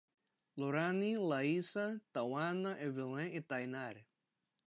Lorane, Laíssa, Tauana, Evelim e Tainar